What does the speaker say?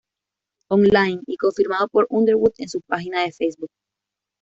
Online, y confirmado por Underwood en su página de Facebook.